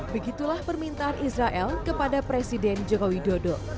begitulah permintaan israel kepada presiden jokowi dodo